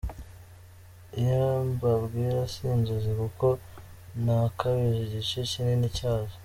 Ibi mbabwira si inzozi kuko nakabije igice kinini cyazo